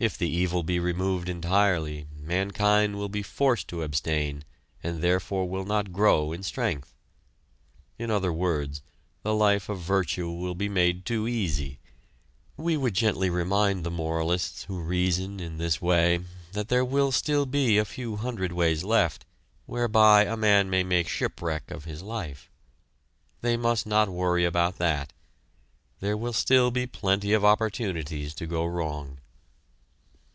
If the evil be removed entirely mankind will be forced to abstain and therefore will not grow in strength. In other words, the life of virtue will be made too easy. We would gently remind the moralists who reason in this way that there will still be a few hundred ways left, whereby a man may make shipwreck of his life. They must not worry about that there will still be plenty of opportunities to go wrong!